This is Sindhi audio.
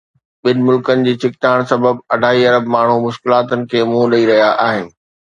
ٻن ملڪن جي ڇڪتاڻ سبب اڍائي ارب ماڻهو مشڪلاتن کي منهن ڏئي رهيا آهن